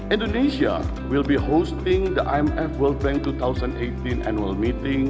indonesia akan menghadiri imf world bank dua ribu delapan belas annual meetings